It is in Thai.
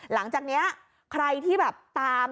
หลังจากนี้ใครที่แบบตาม